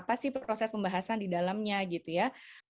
nah jadi itu adalah proses pembahasan di dalamnya gitu ya